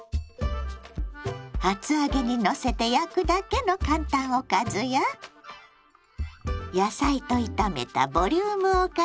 厚揚げにのせて焼くだけの簡単おかずや野菜と炒めたボリュームおかずもラクラクよ！